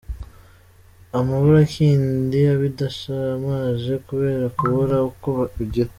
Amaburakindi = Ibidashamaje kubera kubura uko ugira.